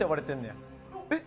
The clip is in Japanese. えっ？